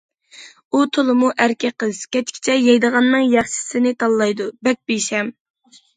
ئۇ تولىمۇ ئەركە قىز، كەچكىچە يەيدىغاننىڭ ياخشىسىنى تاللايدۇ، بەك بىشەم.